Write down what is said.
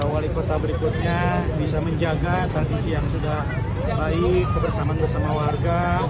wali kota berikutnya bisa menjaga tradisi yang sudah baik kebersamaan bersama warga